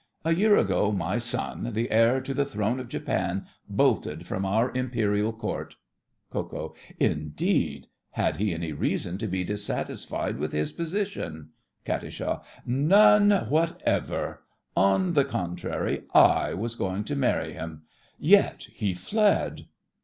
A year ago my son, the heir to the throne of Japan, bolted from our Imperial Court. KO. Indeed! Had he any reason to be dissatisfied with his position? KAT. None whatever. On the contrary, I was going to marry him—yet he fled!